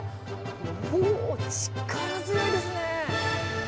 おー、力強いですね。